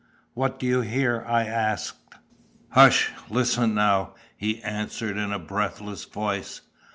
"What do you hear?" I asked. "Hush! listen now!" he answered, in a breathless voice.